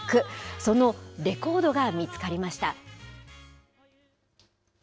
そのレコードが見つかりました。